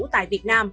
tại việt nam